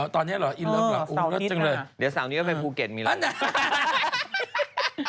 ตอนนี้หรออินเวิร์ดเหรอโอ้วรักจังเลยสาวนี้ก็ไปภูเก็ตมีอะไร